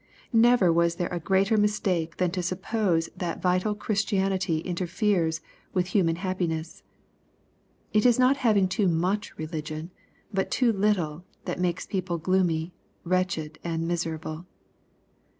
Never was there a greater mistake than to suppose that vital Christianity interferes with human happiness. It is not having too much religion, but too little, that makes people gloomy, wretched, and miserable.